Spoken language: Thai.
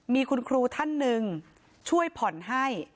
มีคุณครูท่านหนึ่งช่วยผ่อนให้